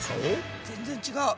全然違う。